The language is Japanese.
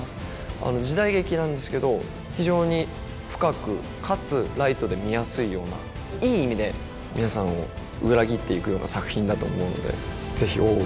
あの時代劇なんですけど非常に深くかつライトで見やすいようないい意味で皆さんを裏切っていくような作品だと思うのでぜひ「大奥」